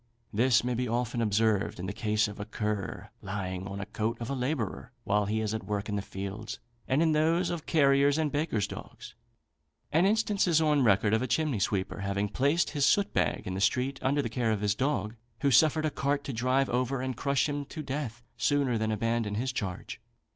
This may be often observed in the case of a cur, lying on the coat of a labourer while he is at work in the fields, and in those of carriers' and bakers' dogs. An instance is on record of a chimney sweeper having placed his soot bag in the street under the care of his dog, who suffered a cart to drive over and crush him to death, sooner than abandon his charge.